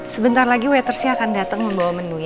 sebentar lagi waiter sih akan datang membawa menu ya